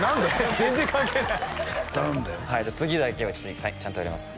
全然関係ない頼むではいじゃあ次だけはちゃんとやります